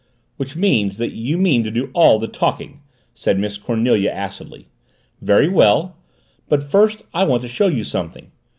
"Which means that you mean to do all the talking!" said Miss Cornelia acidly. "Very well! But first I want to show you something.